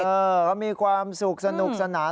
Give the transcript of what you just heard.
เขามีความสุขสนุกสนาน